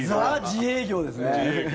自営業ですね。